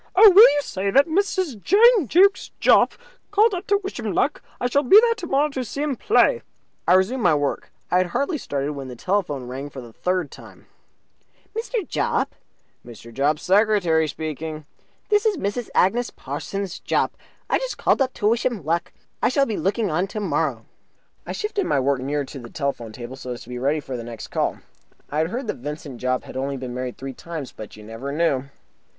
"Oh, will you say that Mrs. Jane Jukes Jopp called up to wish him luck? I shall be there tomorrow to see him play." I resumed my work. I had hardly started when the telephone rang for the third time. "Mr. Jopp?" "Mr. Jopp's secretary speaking." "This is Mrs. Agnes Parsons Jopp. I just called up to wish him luck. I shall be looking on tomorrow." I shifted my work nearer to the telephone table so as to be ready for the next call. I had heard that Vincent Jopp had only been married three times, but you never knew.